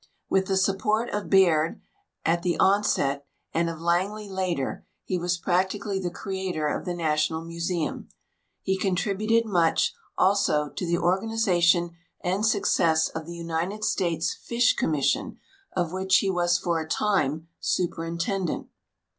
With the support of Baird at the outset and of Langley later, he was practically the creator of the National Museum. He contributed much, also, to the organization and success of the United States Fish Commission, of which he was for a time Superintendent.